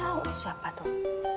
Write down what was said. tau tuh siapa tuh